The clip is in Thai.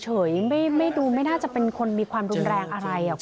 ไม่ดูไม่น่าจะเป็นคนมีความรุนแรงอะไร